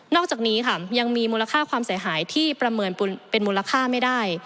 อกจากนี้ค่ะยังมีมูลค่าความเสียหายที่ประเมินเป็นมูลค่าไม่ได้